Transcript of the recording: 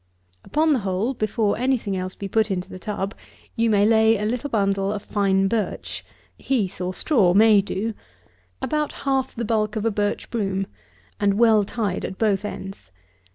Upon the hole, before any thing else be put into the tub, you lay a little bundle of fine birch, (heath or straw may do,) about half the bulk of a birch broom, and well tied at both ends.